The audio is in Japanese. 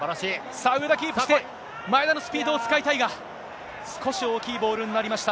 さあ、上田キープして、前田のスピードを使いたいが、少し大きいボールになりました。